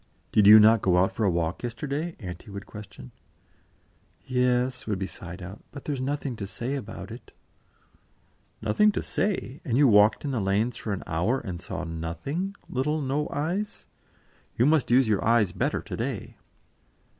"Did you not go out for a walk yesterday?" Auntie would question. "Yes," would be sighed out; "but there's nothing to say about it." "Nothing to say! And you walked in the lanes for an hour and saw nothing, little No eyes? You must use your eyes better to day."